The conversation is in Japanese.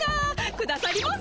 くださりませ。